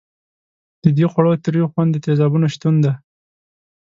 د دې خوړو تریو خوند د تیزابونو شتون دی.